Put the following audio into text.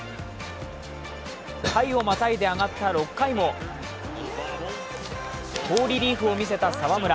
回をまたいで上がった６回も好リリーフを見せた澤村。